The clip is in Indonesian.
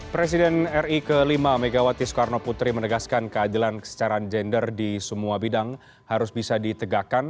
presiden ri ke lima megawati soekarno putri menegaskan keadilan secara gender di semua bidang harus bisa ditegakkan